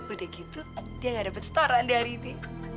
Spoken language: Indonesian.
udah gitu dia gak dapet setaraan di hari ini